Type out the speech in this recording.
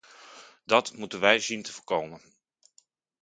Dat moeten wij zien te voorkomen.